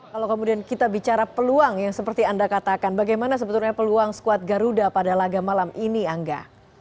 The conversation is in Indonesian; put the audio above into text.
kalau kemudian kita bicara peluang yang seperti anda katakan bagaimana sebetulnya peluang squad garuda pada laga malam ini angga